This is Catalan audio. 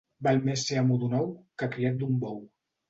Val més ser amo d'un ou que criat d'un bou.